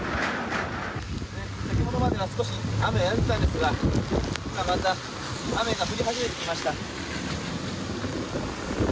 先ほどまでは少し雨がやんでいたんですがまた雨が降り始めてきました。